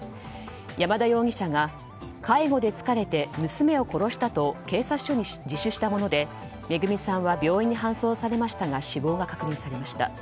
山田容疑者が介護で疲れて娘を殺したと警察署に自首したものでめぐみさんは病院に搬送されましたが死亡が確認されました。